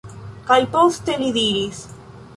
Kaj poste li diris: